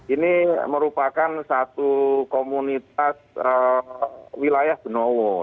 ini merupakan satu komunitas wilayah benowo